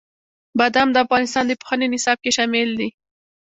بادام د افغانستان د پوهنې نصاب کې شامل دي.